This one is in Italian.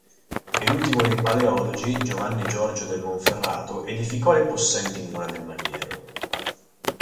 E l'ultimo dei Paleologi Giovanni Giorgio del Monferrato edificò le possenti mura del maniero.